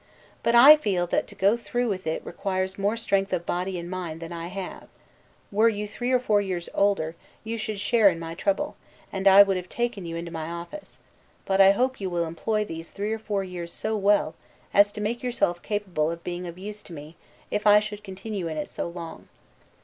But I feel that to go through with it requires more strength of body and mind than I have: were you three or four years older; you should share in my trouble, and I would have taken you into my office; but I hope you will employ these three or four years so well as to make yourself capable of being of use to me, if I should continue in it so long.